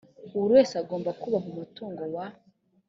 buri wese agomba kubaha umutungo wa